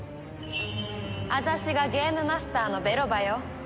私がゲームマスターのベロバよ。